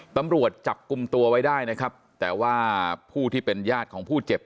ตำรวจจับกลุ่มตัวไว้ได้นะครับแต่ว่าผู้ที่เป็นญาติของผู้เจ็บ